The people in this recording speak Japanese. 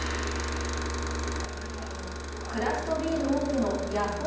クラフトビール大手のヤッホー